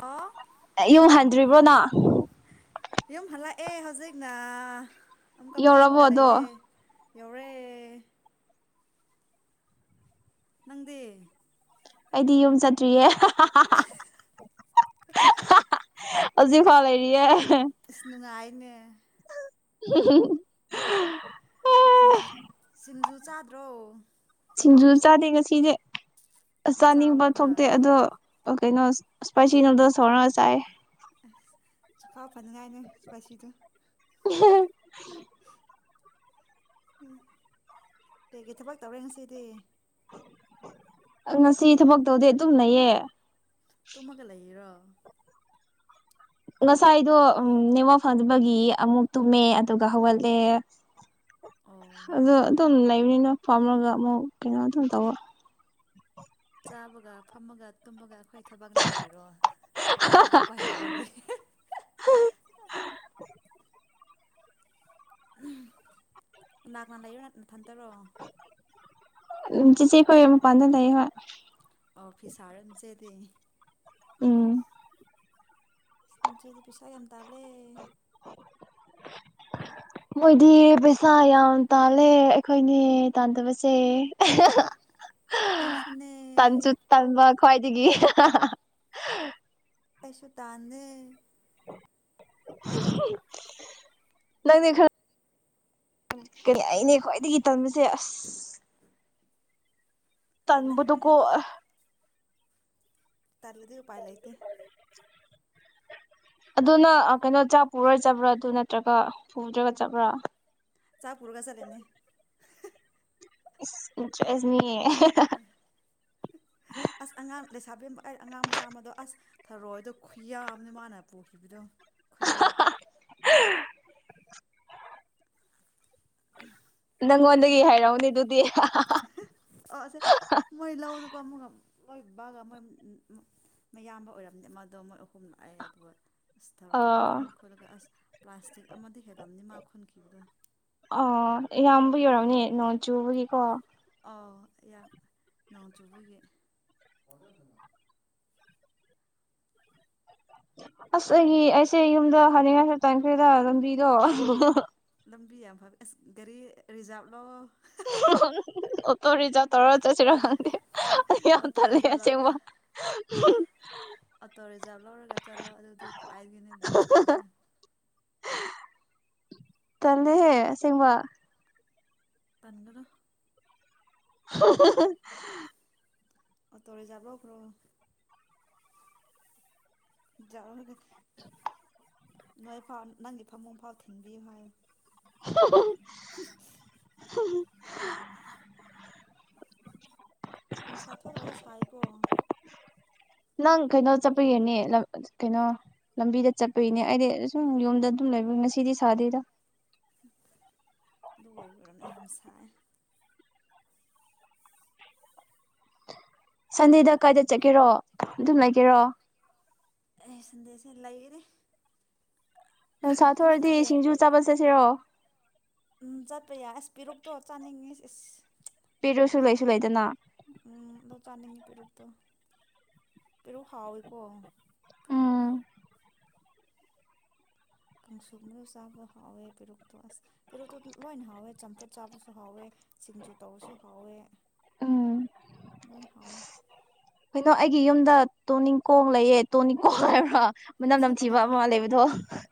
ꯑꯣ ꯌꯨ ꯍꯟꯗ꯭ꯔꯤꯕ꯭ꯔꯣꯅ ꯌꯨꯝ ꯍꯜꯂꯛꯑꯦ ꯍꯧꯖꯤꯛꯅ ꯑꯃꯨꯛꯀ ꯐꯝꯃꯒ ꯌꯧꯔꯕꯣ ꯑꯗꯣ ꯂꯩꯌꯦꯦ ꯑꯦꯧꯔꯦ ꯅꯪꯗꯦ ꯑꯩꯗꯤ ꯌꯨꯝ ꯆꯠꯇ꯭ꯔꯤꯌꯦ ꯍꯧꯖꯤ ꯐꯥ ꯂꯩꯔꯤꯌꯦ ꯁ ꯅꯨꯡꯉꯥꯏꯅꯦ [unintelligible] ꯁꯤꯡꯖꯨ ꯁꯤꯡꯖꯨ ꯆꯥꯗ꯭ꯔꯣ ꯁꯤꯡꯖꯨ ꯆꯥꯗꯦ ꯉꯁꯤꯗꯤꯦ ꯑ ꯆꯥꯅꯤꯡꯕ ꯆꯥꯎꯗꯨꯅ ꯊꯣꯛꯇꯦ ꯑꯗꯣ ꯑꯣ ꯀꯩꯅꯣ ꯏꯁꯄꯁꯤ ꯅꯨꯗꯂꯁ ꯆꯥꯏ ꯆ ꯈꯥꯎ ꯐꯅꯅꯨꯡꯉꯥꯏꯅꯦ ꯄꯁꯨ [inaudible] ꯎꯝ ꯀꯀꯦ ꯊꯕꯛ ꯇꯧꯔꯦ ꯉꯁꯤꯗꯤ ꯉꯁꯤ ꯊꯕꯛ ꯇꯧꯗꯦ ꯑꯗꯨꯨꯝꯅꯩꯌꯦ ꯇꯨꯝꯃꯒ ꯂꯩꯔꯣ ꯉꯁꯥꯏꯗꯣ ꯅꯦꯋꯥ ꯐꯪꯕꯒꯤ ꯑꯃꯨꯛ ꯇꯨꯝꯃꯦ ꯑꯗꯨꯒ ꯍꯧꯒꯠꯂꯦ ꯑꯣ ꯑꯗ ꯑꯗꯨꯣ ꯅꯤꯅ ꯐꯥꯔꯝꯂꯒ ꯑꯃꯨꯛ ꯀꯩꯅꯣ ꯑꯗꯨ ꯇꯧꯕ ꯆꯥꯕꯒ ꯐꯝꯃꯒ ꯇꯨꯝꯃꯒ ꯑꯩꯈꯣꯏ ꯊꯕꯛꯅ ꯀꯔꯤꯔꯣ ꯂꯧ ꯆꯄ ꯍꯗꯨꯕꯥꯎꯒꯤꯦ ꯂꯥꯛꯅ ꯂꯩꯌꯣ ꯅ ꯅꯊꯟꯇꯔꯣ ꯆꯁꯤꯦ ꯀꯃ ꯄꯥꯟꯗ ꯇꯩꯕ ꯑꯣ ꯐꯤꯁꯥꯔꯟꯁꯦꯗꯤ ꯎꯝ ꯑꯗꯨꯗꯤ ꯄꯩꯁꯥ ꯌꯥꯝ ꯇꯥꯂꯦ [inaudible] ꯃꯣꯏꯗꯤ ꯄꯩꯁꯥ ꯌꯥꯝ ꯇꯥꯜꯂꯦ ꯑꯩꯈꯣꯏꯅꯦ ꯇꯥꯟꯗꯕꯁꯦ ꯑꯩꯁꯨꯅ ꯈ꯭ꯋꯥꯏꯗꯒꯤꯗꯒꯤ ꯀꯩꯁꯨ ꯇꯥꯟꯅꯦ ꯅꯪꯗꯤ ꯈꯔ ꯀ ꯑꯩꯅ ꯈ꯭ꯋꯥꯏꯗꯒꯤ ꯇꯝꯝꯕꯁꯦ ꯑꯁ ꯇꯜꯂꯦ ꯇꯟꯝꯕꯗꯨꯀꯣ ꯇꯜꯂꯗꯤ ꯎꯄꯥꯏ ꯂꯩꯇꯦ [unintelligible] ꯑꯗꯨꯅ ꯑ ꯀꯩꯅꯣ ꯆꯥꯛ ꯄꯨꯔ ꯆꯠꯕ꯭ꯔꯥ ꯑꯗꯨ ꯅꯠꯇ꯭ꯔꯒ ꯄꯨꯗ꯭ꯔꯒ ꯆꯠꯕ꯭ꯔꯥ ꯆꯥꯛ ꯄꯨꯔꯒ ꯆꯠꯂꯤꯅꯤ ꯍꯤ ꯍ ꯏꯁ ꯏꯟꯇ꯭ꯔꯦꯖꯅꯤ ꯑꯍ ꯑꯁ ꯑꯉꯥꯡ ꯂꯩꯁꯥꯕꯤꯝꯕ ꯑꯩ ꯑꯉꯥꯡ ꯃꯆꯥ ꯑꯃꯗꯣ ꯑꯁ ꯊꯔꯣꯏꯗꯣ ꯈꯨꯌꯥꯝꯃꯅꯤ ꯃꯥꯅ ꯄꯨꯈꯤꯕꯗꯣ ꯈꯨꯜꯂꯒ [unintelligible] ꯅꯪꯉꯣꯟꯗꯒꯤ ꯍꯥꯏꯔꯛꯎꯅꯦ ꯑꯗꯨꯗꯤ ꯑꯍ ꯑꯣ ꯑꯁꯦ ꯃꯣꯏ ꯂꯧ ꯑꯗꯨ ꯀꯣ ꯃꯨꯛꯀ ꯃꯣꯏ ꯕꯥꯒ ꯃꯣꯏ ꯎꯝ ꯎꯝ ꯃꯌꯥꯝꯕ ꯑꯣꯏꯔꯝꯗ ꯃꯥꯗꯣ ꯃꯣꯏ ꯑ ꯍꯨꯝ ꯑꯥꯏꯑꯦ ꯑꯗꯨꯒ ꯑꯁ ꯑ ꯊꯧꯔꯣꯏ ꯈꯨꯟ ꯈꯨꯠꯂꯒ ꯑꯁ ꯄ꯭ꯂꯥꯁꯇꯤꯛ ꯑꯃꯗꯤ ꯍꯦꯜꯂꯝꯅꯤ ꯃꯥ ꯈꯨꯨꯟꯈꯤꯕꯗꯣ ꯑꯩꯌꯥꯝꯕꯒꯤ ꯑꯣꯏꯔꯝꯒꯅꯤ ꯅꯣꯡ ꯆꯨꯕꯒꯤꯀꯣ ꯑꯩꯌꯥꯝ ꯅꯣꯡ ꯆꯨꯕꯒꯤ ꯑꯁ ꯑꯩꯒꯤ ꯑꯩꯁꯦ ꯌꯨꯝꯗ ꯍꯥꯏꯅꯤꯡꯉꯥꯏ ꯇꯟꯈ꯭ꯔꯦꯗ ꯂꯝꯕꯤꯗꯣ ꯑꯍ ꯍꯍ ꯍ ꯂꯝꯕꯤ ꯌꯥꯝ ꯐꯕ ꯑꯁ ꯒꯥꯔꯤ ꯔꯤꯖꯥꯕꯂꯣ ꯍꯨꯡ ꯍꯨꯡ ꯍꯨꯡ ꯍꯨꯡ ꯍꯨꯡ ꯑꯣꯇꯣ ꯔꯤꯖꯥꯕ ꯇꯧꯔꯥ ꯆꯠꯁꯤꯔ ꯈꯪꯗꯦ ꯍꯍ ꯑꯩ ꯌꯥꯝ ꯑꯣꯇꯣ ꯊꯜꯂꯦ ꯔꯤꯖꯥꯕ ꯂꯧꯔꯒ ꯑꯁꯦꯡꯕ ꯍꯍ ꯍꯨꯝ ꯑꯣꯇꯣ ꯔꯤꯖꯥꯚ ꯂꯧꯔꯒ ꯆꯠꯂꯣ ꯑꯗꯨꯗꯤ ꯈ꯭ꯋꯥꯏꯗꯒꯤꯅꯦ ꯕꯦꯁ ꯇꯥꯏꯁꯦ ꯍꯍ ꯇꯜꯂꯦꯍꯦ ꯑꯁꯦꯡꯕ ꯇꯟꯒꯅꯣ ꯍꯨꯡ ꯍꯨꯡ ꯍꯨꯡ ꯍꯍ ꯑꯣꯇꯣ ꯔꯤꯖꯥꯕ ꯂꯧꯈ꯭ꯔꯣ ꯔꯤꯖꯥꯕ ꯂꯧꯔꯒꯗꯤ ꯅꯣꯏ ꯐꯥꯎ ꯅꯪꯗꯤ ꯐꯃꯨꯡ ꯐꯥꯎ ꯊꯤꯟꯕꯤꯌꯨ ꯍꯥꯏꯌꯨ ꯍꯨꯡ ꯍꯨꯡ ꯍꯨꯡ ꯍꯍ ꯍꯨꯡ ꯍꯨꯡ ꯅꯨꯡꯁꯥ ꯊꯣꯛꯇ꯭ꯔꯁꯨ ꯁꯥꯏꯀꯣ ꯅꯪ ꯀꯩꯅꯣ ꯆꯠꯄꯒꯤꯔꯅꯦ ꯂꯝ ꯀꯩꯅꯣ ꯂꯝꯕꯤꯗ ꯆꯠꯄꯒꯤꯅꯦ ꯑꯩꯗꯤ ꯁꯨꯝ ꯌꯨꯝꯗ ꯑꯗꯨꯝ ꯂꯩꯕ ꯉꯁꯤꯗꯤ ꯁꯥꯗꯦꯗ ꯑꯗꯨ ꯑꯣꯏꯕ ꯑꯣꯏꯔꯝꯅꯦ ꯌꯥꯝ ꯁꯥꯏ ꯁꯟꯗꯦꯗ ꯀꯥꯏꯗ ꯆꯠꯀꯦꯔꯣ ꯑꯗꯨꯝ ꯂꯩꯒꯦꯔꯣ ꯑꯩ ꯁꯟꯗꯦꯁꯦ ꯂꯩꯒꯅꯤ ꯅꯨꯡꯁꯥ ꯅꯪꯗꯣ ꯊꯣꯛꯔꯗꯤ ꯍꯌꯦꯡ ꯁꯤꯡꯖꯨ ꯆꯥꯕ ꯆꯠꯁꯤꯔꯣ ꯇꯣ ꯆꯥꯅꯤꯡꯉꯤ ꯁꯤ ꯏꯁ ꯂꯩꯔꯨꯁꯨ ꯂꯩꯁꯨ ꯂꯩꯗꯅ ꯎꯝ ꯑꯗꯣ ꯆꯥꯅꯤꯡꯉꯤ ꯄꯦꯔꯨꯛꯇꯣ ꯄꯦꯔꯨꯛ ꯍꯥꯎꯋꯤꯀꯣ ꯎꯝ ꯀꯥꯡꯁꯨꯒꯨꯝꯕꯅꯁꯨ ꯆꯥꯕ ꯍꯥꯎꯋꯦ ꯄꯤꯔꯛꯇꯣ ꯑꯁ ꯄꯤꯔꯛꯇꯣ ꯂꯣꯏꯅ ꯍꯥꯎꯋꯦ ꯆꯝꯐꯨꯠ ꯆꯥꯕꯁꯨ ꯍꯥꯎꯋꯦ ꯁꯤꯡꯖꯨ ꯇꯧꯔꯁꯨ ꯍꯥꯎꯋꯦ ꯎꯝ ꯂꯣꯏ ꯍꯥꯎꯋꯦ ꯗꯣ ꯑꯩꯒꯤ ꯌꯨꯝꯗ ꯇꯣꯅꯤꯡꯀꯣꯡ ꯂꯩꯌꯦ ꯇꯣꯅꯤꯡꯀꯣꯛ ꯍꯥꯏꯕ꯭ꯔꯥ ꯃꯅꯝ ꯊꯍ ꯑꯍꯣ ꯅꯝꯊꯤꯕ ꯑꯃ ꯇꯨꯅꯤꯡꯀꯣꯛ ꯂꯩꯕꯗꯣ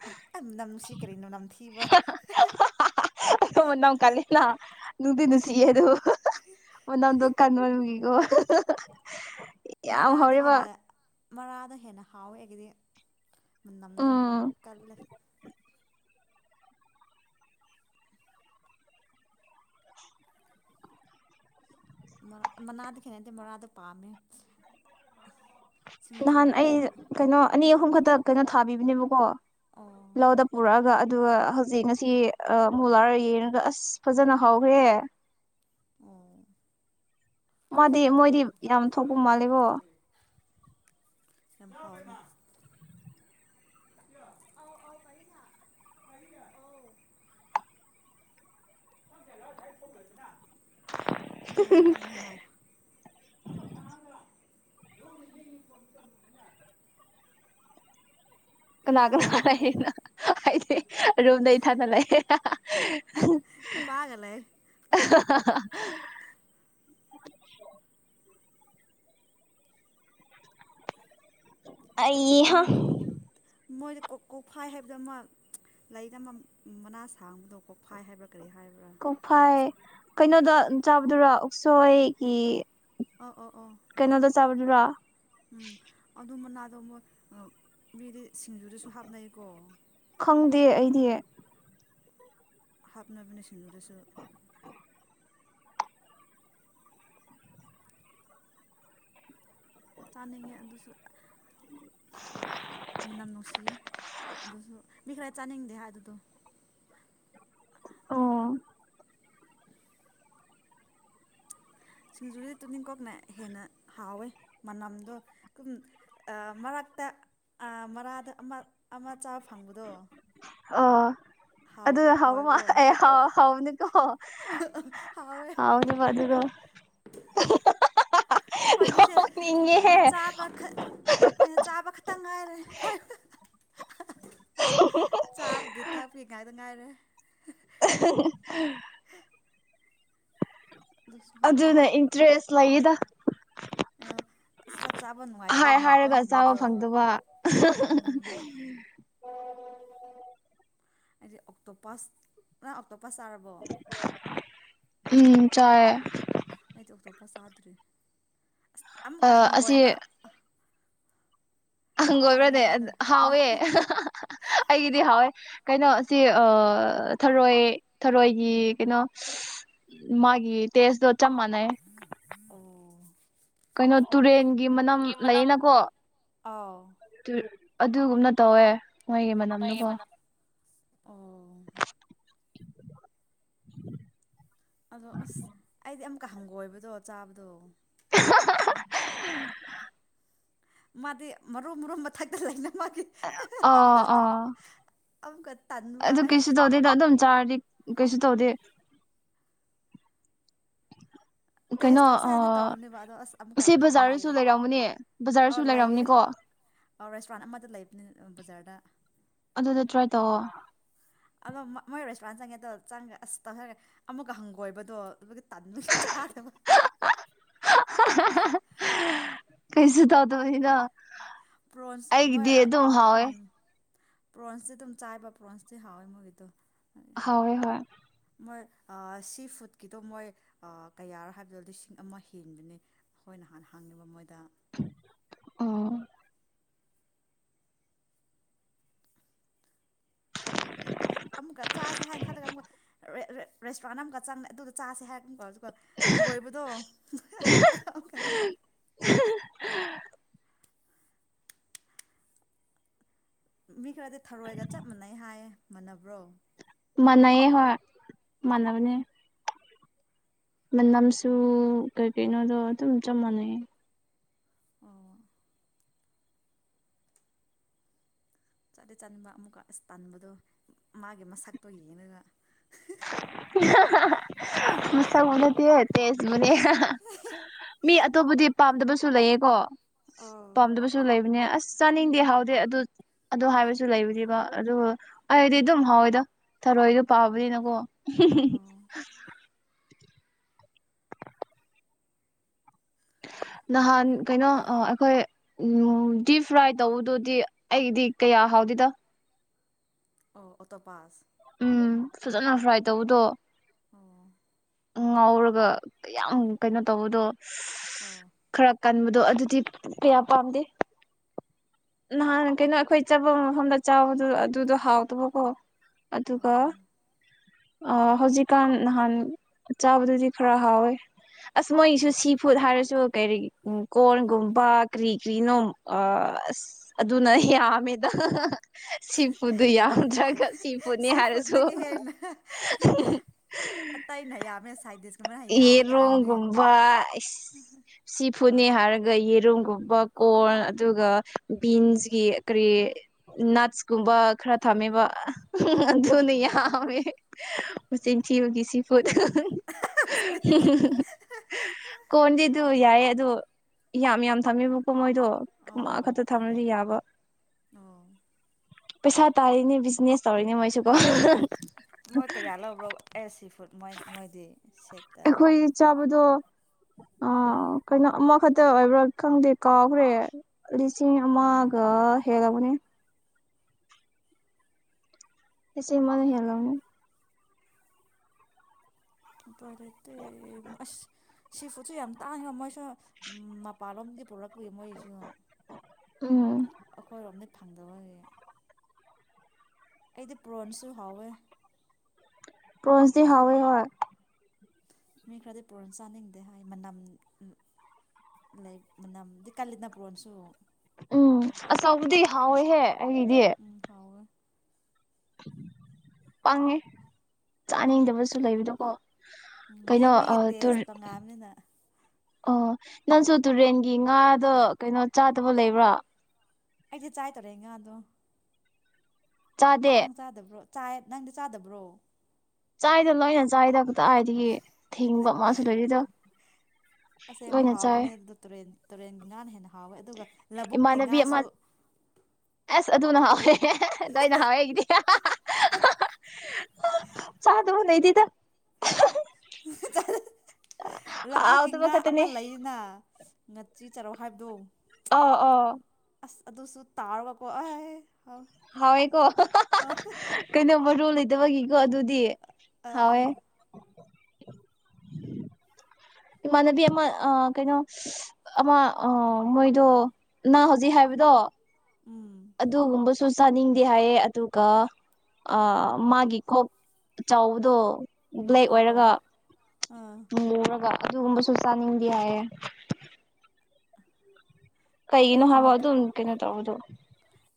ꯑꯍ ꯑꯦ ꯃꯅꯝ ꯅꯨꯡꯁꯤ ꯀꯔꯤꯅꯣ ꯅꯝ ꯊꯤꯕ ꯍꯥ ꯍꯥ ꯑ ꯍꯥ ꯍꯥ ꯍꯍ ꯑꯗꯣ ꯃꯅꯝ ꯀꯜꯂꯤꯅ ꯅꯨꯡꯗꯤ ꯅꯨꯡꯁꯤꯌꯦ ꯑꯗꯨ ꯍꯍ ꯃ ꯅꯝꯗꯣ ꯀꯟꯕꯒꯤꯀꯣ ꯍꯥ ꯍꯥ ꯍꯥ ꯍꯍ ꯃꯔꯥꯗꯣ ꯍꯦꯟꯅ ꯃꯔꯥꯗꯣ ꯍꯦꯟꯅ ꯍꯥꯎꯋꯦ ꯑꯩꯒꯤꯗꯤ ꯃꯅꯝꯗꯣ ꯎꯝ ꯀꯜꯂꯦ ꯃꯔꯥ ꯑ ꯃꯅꯥꯗꯤ ꯍꯩꯅꯗꯦ ꯃꯔꯥꯗꯣ ꯄꯥꯝꯃꯦ ꯁꯤꯡꯖꯨ ꯅꯍꯥꯟ ꯑꯩ ꯀꯩꯅꯣ ꯑꯅꯤ ꯑꯍꯨꯝ ꯈꯛꯇ ꯀꯩꯅꯣ ꯊꯥꯕꯤꯕꯅꯦꯕꯀꯣ ꯑꯣ ꯂꯧꯗ ꯄꯨꯔꯛꯑꯒ ꯑ ꯑꯗꯨꯒ ꯑ ꯍꯧꯖꯤꯛ ꯉꯁꯤ ꯃꯣꯂꯥꯔ ꯌꯦꯡꯉꯒ ꯑꯁ ꯐꯖꯅ ꯍꯥꯎꯈ꯭ꯔꯦ ꯑꯣ ꯃꯥꯗꯤ ꯃꯣꯏꯗꯤ ꯌꯥꯝ ꯊꯣꯛꯄ ꯃꯥꯜꯂꯦꯕꯣ [unintelligible] [inaudible] [unintelligible] ꯗꯣꯏꯕꯤꯅꯦ ꯍꯥꯏ [unintelligible] ꯀꯅꯥ ꯀꯅꯥ ꯅꯪꯗꯤ ꯂꯩꯅ ꯍꯥꯏꯗꯤ ꯔꯨꯝꯝꯗ ꯊꯥꯅ ꯂꯩꯦ ꯏꯒꯂꯦ ꯑ ꯑꯩꯍ ꯑꯗꯨꯅꯤ ꯃꯣꯏꯗ ꯀꯣꯛꯐꯥꯏ ꯍꯥꯏꯕꯗꯨ ꯑꯃ ꯂꯩꯔꯤꯗ ꯑꯃ ꯃꯅꯥ ꯁꯥꯡꯕꯗꯣ ꯀꯣꯛꯐꯥꯏ ꯍꯥꯏꯕ꯭ꯔꯥ ꯀꯔꯤ ꯍꯥꯏꯕ꯭ꯔꯥ ꯀꯣꯛꯐꯥꯏ ꯀꯩꯅꯣꯗ ꯆꯥꯕꯗꯨꯔ ꯎꯛꯁꯣꯏꯒꯤ ꯑꯣ ꯑꯣ ꯑꯣ ꯀꯩꯅꯣꯗ ꯆꯥꯕꯗꯨꯔꯥ ꯎꯝ ꯑꯗꯨ ꯑꯗꯨ ꯃ ꯑꯣꯣꯏ ꯃꯤꯗꯤ ꯁꯤꯡꯖꯨꯗꯁꯨ ꯍꯥꯞꯅꯩꯀꯣ ꯈꯪꯗꯦ ꯑꯩꯗꯤ ꯍꯥꯞꯅꯕꯅ ꯁꯤꯟꯂꯗꯁꯨ ꯇꯥꯅꯤꯉ ꯑꯗꯨꯁꯨ [inaudible] ꯃꯅꯝ ꯅꯨꯡꯁꯤ ꯑꯗꯨꯁꯨ ꯃꯤ ꯈꯔ ꯆꯥꯅꯤꯡꯗꯦ ꯍꯥꯏ ꯑꯗꯨꯗꯣ ꯑꯣ ꯁꯤꯡꯖꯨꯗꯤ ꯇꯨꯅꯤꯡ ꯀꯣꯛꯅ ꯍꯦꯟꯅ ꯍꯥꯎꯋꯦ ꯃꯅꯝꯗꯣ ꯃꯔꯛ ꯃꯛꯇ ꯃꯔꯥꯗ ꯑꯃ ꯑꯃ ꯆꯥꯕ ꯐꯪꯕꯗꯣ ꯑ ꯍꯥꯎ ꯑꯗꯨ ꯍꯥꯎꯕ ꯃꯥ ꯍꯥꯎꯋꯦꯀꯣ ꯑꯩꯥꯎ ꯍꯥꯎꯅꯤꯀꯣ ꯍꯥꯎꯋꯦ ꯍꯥꯎꯅꯤ ꯑꯗꯨꯒ [inaudible] ꯑꯩꯈꯣꯏꯅꯤꯁꯦ ꯆꯥꯕ ꯑꯩꯈꯣꯏꯅ ꯆꯥꯕ ꯈꯛꯇꯪ ꯉꯥꯏꯔꯦꯕ [inaudible] ꯆꯥꯕꯒꯤ ꯊꯛꯄꯒꯤ ꯉꯥꯏꯗ ꯉꯥꯏꯔꯦ [inaudible] ꯑꯗꯨꯁꯨ ꯍꯥꯎꯋꯦ ꯑꯗꯨꯅ ꯏꯟꯇ꯭ꯔꯦꯁ ꯂꯩꯦꯗ ꯑ ꯑꯁ ꯆꯥꯛ ꯆꯥꯕ ꯅꯨꯡꯉꯥꯏꯇ꯭ꯔꯗꯤ ꯍꯥꯏ ꯍꯥꯏꯔꯒ ꯆꯥꯕ ꯃꯨꯛꯕꯥꯡꯒꯨꯝꯕꯗꯣ ꯐꯪꯗꯕ ꯎꯝ ꯎꯝ ꯑꯩꯗꯤ ꯑꯣꯛꯇꯣꯞꯄꯥ ꯅꯪ ꯑꯣꯛꯇꯣꯞꯄꯥ ꯆꯥꯔꯕꯣ ꯎ ꯆ ꯑꯩ ꯇꯣ ꯑꯞꯇꯣꯞꯄ ꯆꯥꯗ꯭ꯔꯤ ꯑꯁ ꯑꯃꯨꯛꯀ ꯑꯁꯤ ꯍꯪꯒꯣꯏꯕ ꯍꯪꯒꯣꯏꯕ꯭ꯔꯅꯦ ꯆꯥꯅꯤꯡꯉꯥꯏꯗꯣ ꯑ ꯍꯥꯎꯋꯦ ꯑꯩꯒꯤꯗꯤ ꯍꯥꯎꯋꯦ ꯀꯩꯅꯣ ꯁꯤ ꯊꯔꯣꯏ ꯊꯔꯣꯏꯒꯤ ꯀꯩꯅꯣ ꯃꯥꯒꯤ ꯇꯁꯗꯧ ꯆꯝꯃ ꯅ ꯑꯣ ꯀꯩꯅꯣ ꯇꯨꯔꯦꯟꯒꯤ ꯃꯅꯝ ꯂꯩꯌꯦꯅꯀꯣ ꯑꯥꯎ ꯑꯗꯨꯒꯨꯝꯅ ꯇꯧꯋꯦ ꯃꯣꯏꯒꯤ ꯃꯅꯝꯗꯨꯀꯣ ꯑ ꯑꯗꯣ ꯑꯁ ꯑꯩꯗꯤ ꯑꯃꯨꯛꯀ ꯍꯪꯒꯣꯏꯕꯗꯣ ꯆꯥꯕꯗꯣ ꯃꯥꯗꯤ ꯃꯔꯨꯝ ꯃꯔꯨꯝ ꯃꯊꯛꯇ ꯂꯩꯅꯕ ꯃꯥ ꯑ ꯑ ꯑꯃꯨꯛꯀ ꯇꯟꯕ ꯑꯗꯨ ꯀꯩꯁꯨ ꯑꯩꯁ ꯇꯧꯗꯦꯗ ꯑꯗꯨꯝ ꯆꯥꯔꯤ ꯀꯩꯁꯨ ꯇꯧꯗ ꯀꯩꯅꯣ ꯇꯦꯁ ꯇꯧꯁꯦ ꯍꯥꯏꯅ ꯇꯧꯕꯅꯦꯕ ꯑꯗꯣ ꯑꯁ ꯑꯃꯨꯛꯀ ꯁꯤ ꯇꯟꯕꯒꯤ ꯕꯖꯥꯔꯗꯁꯨ ꯂꯩꯔꯝꯃꯅꯦ ꯕꯖꯥꯔꯁꯨ ꯂꯩꯔꯝꯅꯤꯀꯣ ꯑ ꯔꯦꯁꯇꯨꯔꯦꯟ ꯑꯃꯗ ꯂꯩꯕꯅꯤ ꯕꯖꯥꯔꯗ ꯑꯗꯨꯗ ꯇ꯭ꯔꯥꯏ ꯇꯧꯑꯣ ꯑꯗꯣ ꯃꯣꯏ ꯔꯦꯁꯄꯨꯔꯥꯟꯁ ꯆꯪꯉꯦ ꯑꯗꯣ ꯆꯪꯈ꯭ꯔꯦ ꯑꯁ ꯇꯪꯈꯈ꯭ꯔꯦ ꯑꯃꯒ ꯍꯪꯒꯣꯏꯕꯗꯣ ꯑꯗꯨꯒ ꯇ [unintelligible] ꯀꯩꯁꯨ ꯇꯧꯗꯕꯤꯗ‌ꯣ ꯄ꯭ꯔꯣꯟꯁ [unintelligible] ꯍꯥꯎꯋꯦ ꯎꯝ ꯄ꯭ꯔꯣꯟꯁꯇꯤ ꯑꯗꯨꯝ ꯆꯥꯏꯕ ꯄ꯭ꯔꯣꯟꯁꯇꯤ ꯍꯥꯎꯋꯦ ꯃꯣꯏꯒꯤꯗꯣ ꯍꯥꯎꯋ‌‌ꯦ ꯍꯣꯏ ꯃꯣꯏ ꯁꯤ ꯐꯨꯗꯀꯤꯗꯣ ꯃꯣꯏ ꯀꯌꯥꯔꯣ ꯍꯥꯏꯕꯗꯣ ꯂꯤꯁꯤꯡ ꯑꯃ ꯍꯦꯟꯕꯅꯤ ꯑꯣꯏ ꯅꯍꯥꯟ ꯍꯥꯡꯉꯤꯕ ꯃꯣꯏꯗ ꯑꯣ ꯆꯥꯅꯤꯡꯉꯤ ꯑꯗꯣ ꯑꯃꯨꯛꯀ ꯆꯥꯁꯦ ꯍꯥꯏꯅ ꯈꯜꯂꯒ ꯑꯃꯨꯛꯀ ꯔꯦꯁꯇꯨꯔꯦꯟ ꯑꯃꯛꯀ ꯆꯪꯉꯦ ꯑꯗꯨꯗ ꯆꯥꯁꯦ ꯍꯥꯏꯔ ꯍꯪꯒꯣꯏꯕꯗꯣ [unintelligible] ꯃꯤ ꯈꯔꯗꯤ ꯊꯔꯣꯏꯒ ꯆꯞ ꯃꯥꯟꯅꯩ ꯍꯥꯏ ꯃꯥꯟꯅꯕ꯭ꯔꯣ ꯃꯅꯥꯥꯏꯌꯦ ꯍ‌ꯣꯏ ꯃꯅꯥꯕꯅꯦ ꯃꯅꯝꯁꯨ ꯀꯩ ꯀꯩꯅꯣꯗꯣ ꯑꯗꯨꯝ ꯆꯞ ꯃꯥꯟꯅꯩ ꯑꯣ ꯆꯥꯗꯦ ꯆꯥꯅꯤꯡꯕ ꯑꯃꯨꯛꯀ ꯑꯁ ꯇꯥꯅꯤꯡꯥꯟꯕꯗꯣ ꯃꯥꯒꯤ ꯃꯁꯛꯇꯣ ꯌꯦꯡꯉꯒ ꯃꯁ ꯃꯅꯗꯤ ꯇꯦꯖ ꯃꯅꯤ ꯃꯤ ꯑꯇꯣꯞꯄꯗꯤ ꯄꯥꯝꯗꯕꯁꯨ ꯂꯩꯌꯦꯀꯣ ꯑꯣ ꯄꯥꯝꯗꯕꯁꯨ ꯂꯩꯕꯅꯦ ꯑꯁ ꯆꯥꯅꯤꯡꯗꯦ ꯍꯥꯎꯗꯦ ꯑꯗꯨ ꯑꯗꯨ ꯍꯥꯏꯕꯁꯨ ꯂꯩꯕꯔꯤꯕ ꯑꯗꯨ ꯑꯩꯗꯤ ꯑꯗꯨꯝ ꯍꯥꯎꯋꯦꯗꯣ ꯔꯣꯍꯤꯒ ꯄꯥꯕꯗꯤꯅꯀꯣ ꯑꯣ [unintelligible] ꯅꯍꯥꯟ ꯀꯩꯅꯣ ꯑꯩꯈꯣꯏ ꯎ ꯗꯤꯞ ꯐ꯭ꯔꯥꯏ ꯇꯧꯕꯗꯨꯗꯤ ꯑꯩꯗꯤ ꯀꯌꯥ ꯍꯧ ꯀꯥꯎꯗꯗ ꯑꯣ ꯑꯣꯇꯣ ꯄꯥꯁ ꯎꯝ ꯐꯖꯅ ꯐ꯭ꯔꯥꯏ ꯇꯧꯕꯗꯣ ꯑꯣ ꯉꯥꯎꯔꯒ ꯌꯥꯝ ꯀꯩꯅꯣ ꯇꯧꯕꯗꯣ ꯑꯣ ꯈꯔ ꯀꯟꯕ ꯑꯗꯣ ꯑꯗꯨꯗꯤ ꯀꯌꯥ ꯄꯥꯝꯗꯦ ꯅꯍꯥꯟ ꯀꯩꯅꯣ ꯑꯩꯈꯣꯏ ꯆꯠꯄ ꯃꯐꯝꯗ ꯆꯥꯎꯕꯗ ꯑꯗꯨꯗꯣ ꯍꯥꯎꯗꯕꯀꯣ ꯑꯗꯨꯒ ꯑꯣ ꯑ ꯍꯧꯖꯤꯛꯀꯥꯟ ꯅꯍꯥꯟ ꯆꯥꯕꯗꯨꯗꯤ ꯈꯔ ꯍꯥꯎꯋꯦ ꯑꯁ ꯃꯣꯏꯒꯤꯁꯨ ꯁꯤ ꯐꯨꯗ ꯍꯥꯏꯔꯁꯨ ꯀꯔꯤ ꯀꯣꯔꯟꯒꯨꯝꯕ ꯀꯔꯤ ꯀ꯭ꯔꯤꯅꯣ ꯑꯁ ꯑꯗꯨꯅ ꯌꯥꯝꯃꯦꯗ ꯁꯤꯄꯨꯗꯨ ꯌꯥꯎꯗ꯭ꯔꯒ ꯁꯤꯄꯨꯅꯤ ꯁꯤ ꯍꯥꯏꯔꯁꯨ ꯐꯨꯗꯒꯤ ꯑꯠꯇꯇꯩ ꯅꯌꯥ ꯑꯃ ꯁꯥꯏ ꯍꯔꯣꯡꯒꯨꯝꯕ ꯁꯤꯐꯨꯅꯤ ꯑꯥ ꯍꯥꯔꯒ ꯌꯦꯔꯨꯝꯒꯨꯝꯕ ꯀꯣꯔꯟ ꯑꯗꯨꯒ ꯕꯤꯟꯁꯒꯤ ꯀꯔꯤ ꯅꯠꯁ ꯀꯨꯝꯕ ꯈꯔ ꯊꯝꯃꯤꯕ ꯑꯗꯨꯅ ꯑꯣ ꯌꯥꯝꯃꯦ ꯎꯆꯤꯟ ꯊꯤꯕꯒꯤ ꯁꯤ ꯄꯣꯠꯇꯣ ꯀꯗꯗꯨ ꯌꯥ ꯑꯗꯨꯣ ꯌꯥꯝ ꯌꯥꯝ ꯊꯝꯃꯦꯕꯀꯣ ꯃꯣꯏꯗꯣ ꯑꯣ ꯑꯃꯈꯛꯇ ꯊꯝꯃꯗꯤ ꯌꯥꯕ ꯑꯣ ꯄꯩꯁꯥ ꯇꯥꯔꯤꯅꯦ ꯕꯤꯖꯤꯅꯦꯁ ꯇꯧꯔꯤꯅꯦ ꯃꯣꯏꯁꯨꯀꯣ ꯅꯣꯏ ꯀꯌꯥ ꯂꯧꯕ꯭ꯔꯣ ꯑꯦ ꯁꯤ ꯐꯨꯗꯣꯏ ꯃꯣꯏꯗꯤ ꯁꯦꯠꯇ ꯑꯩꯈꯣꯏ ꯆꯞ ꯑꯗꯨꯗꯣ ꯑ ꯀꯩꯅꯣ ꯑꯃꯈꯛꯇ ꯑꯣꯏꯕ꯭ꯔꯥ ꯈꯪꯗꯦ ꯀꯥꯎꯈ꯭ꯔꯦ ꯂꯤꯁꯤꯡ ꯑꯣ ꯃꯒ ꯍꯦꯒꯕꯅꯦ ꯑꯦꯁ ꯃꯅ ꯍꯦꯜꯂꯅꯤ ꯂꯩꯇꯦ ꯑꯁ ꯁꯤꯐꯨꯠꯁꯨ ꯌꯥꯝ ꯇꯥꯡꯉꯤꯕ ꯃꯣꯏꯁꯨ ꯃꯄꯥꯟꯂꯣꯝꯒꯤ ꯄꯨꯂꯛ ꯑꯗꯨꯒꯤ ꯃꯣꯏꯁꯨ ꯎꯝ ꯑꯩꯈꯣꯏꯔꯣꯝꯗ ꯐꯪꯗꯕꯒꯤ ꯑꯩꯗꯤ ꯄ꯭ꯔꯣꯟꯁꯨ ꯍꯥꯎꯋꯦ ꯄꯣꯁꯗꯤ ꯍꯋꯏ ꯍ ꯃꯤ ꯈꯔꯗꯤ ꯄꯨꯔꯣꯟ ꯆꯥꯅꯤꯡꯗꯦ ꯍꯥꯏ ꯃꯅꯝ ꯂꯩ ꯃꯅꯃꯗꯤ ꯀꯂꯂꯤꯅꯥ ꯄꯨꯣꯟꯁꯨ ꯎꯝ ꯑꯆꯥꯎꯕꯗꯤ ꯍꯥꯎꯋꯦꯍꯦ ꯑꯩꯒꯤꯗꯤ ꯎꯝ ꯍꯥꯎ ꯄꯪꯉꯦ ꯆꯥꯅꯤꯡꯗꯕꯁꯨ ꯂꯩꯕꯗꯣꯀꯣ ꯎꯝ ꯃꯤ ꯀꯩꯅꯣ ꯃꯤꯒꯤ ꯑꯥ ꯇꯦꯁ ꯇꯨꯔ ꯇꯉꯥꯑꯕꯅꯤꯅ ꯑꯣ ꯅꯪꯁꯨ ꯇꯨꯔꯦꯟꯒꯤ ꯉꯥꯗꯣ ꯀꯩꯅꯣ ꯆꯥꯗꯕ ꯂꯩꯕ꯭ꯔꯥ ꯑꯩꯁꯦ ꯆꯥꯏ ꯇꯔꯦꯒ ꯑꯗꯣ ꯆꯥꯗꯦ ꯅꯪ ꯆꯥꯗꯕ꯭ꯔꯣ ꯆ ꯅꯪꯗꯤ ꯆꯥꯗꯕ꯭ꯔꯣ ꯆꯥꯏꯗ ꯂꯣꯏꯅ ꯆꯥꯏꯗꯕꯇ ꯍꯥꯏꯗꯤ ꯊꯦꯡꯕ ꯃꯥꯁꯨ ꯂꯩꯣꯏꯔꯤꯗꯣ ꯑꯁꯦꯡꯕ ꯍꯥꯎꯕꯅꯦ ꯑꯗꯨꯗ ꯇꯨꯔꯦꯟ ꯇꯨꯔꯦꯟꯒꯤ ꯉꯥꯅ ꯍꯦꯟꯅ ꯍꯥꯎꯋꯦ ꯑꯗꯨꯒ ꯂꯧꯕꯨꯛꯀꯤ ꯏꯃꯥꯟꯅꯕꯤ ꯑꯃ ꯉꯥꯁꯨ ꯑꯁ ꯑꯗꯨꯅ ꯍꯥꯎꯋꯦ ꯅ ꯑꯩꯅ ꯍꯥꯎꯋꯦꯒꯤꯗꯤ ꯆ ꯑꯗꯨꯕꯨꯅ ꯇꯗ ꯂꯕꯨꯛꯀꯤ ꯉꯥ ꯑꯃ ꯈꯛꯇꯅꯦ ꯂꯩꯅ ꯉꯥꯆꯤ ꯆꯔꯨꯛ ꯍꯥꯏꯕꯗꯣ ꯑ ꯑ ꯑꯁ ꯑꯗꯨꯁꯨ ꯇꯥꯔꯒꯀꯣ ꯑꯩ ꯍꯥꯎ ꯍꯥꯎꯋꯦꯀꯣ ꯀꯩꯅꯣ ꯃꯔꯨ ꯂꯩꯇꯕꯒꯤꯀꯣ ꯑꯗꯨꯗꯤ ꯑꯥ ꯍꯋꯦ ꯏꯃꯥꯟꯅꯕꯤ ꯑꯃ ꯀꯩꯅꯣ ꯑꯃ ꯃꯣꯏꯗꯣ ꯅ ꯍꯧꯖꯤꯛ ꯍꯥꯏꯕꯗ ꯇꯣ ꯎꯝ ꯑꯗꯨꯒꯨꯝꯕꯁꯨ ꯆꯥꯅꯤꯡꯗꯦ ꯍꯥꯏꯌꯦ ꯑꯗꯨꯒ ꯃꯥꯒꯤ ꯀꯣꯛ ꯆꯥꯎꯕꯗꯣ ꯕ꯭ꯂꯦꯛ ꯑꯣ ꯑꯣ ꯑꯣꯏꯔꯒ ꯑꯥ ꯃꯔꯒ ꯑꯗꯨꯒꯨꯝꯕꯁꯨ ꯆꯥꯅꯤꯡꯗꯤ ꯍꯥꯏꯌꯦꯦ ꯀꯩꯅ ꯑꯩꯗꯤꯀꯣ ꯍꯥꯏꯕ ꯉꯥꯄꯨ ꯑꯗꯨ ꯅ ꯀꯩꯅ ꯇꯧ ꯑꯗꯨꯗꯨ